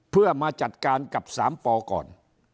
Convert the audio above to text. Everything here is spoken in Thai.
เพื่อมาจัดการกับ๓ปก่อน